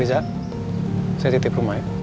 rizal saya titip rumah ya